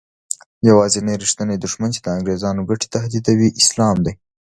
یوازینی رښتینی دښمن چې د انګریزانو ګټې تهدیدوي اسلام دی.